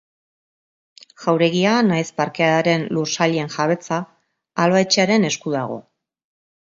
Jauregia nahiz parkearen lursailen jabetza Alba Etxearen esku dago.